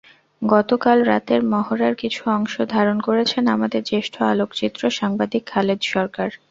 গতকাল রাতের মহড়ার কিছু অংশ ধারণ করেছেন আমাদের জ্যেষ্ঠ আলোকচিত্র সাংবাদিক খালেদ সরকার।